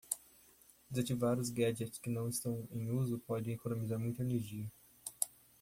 Desativar os gadgets que não estão em uso pode economizar muita energia.